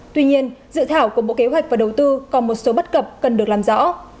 tuy nhiên dự thảo của bộ kế hoạch và đầu tư còn một số bất cập cần được làm rõ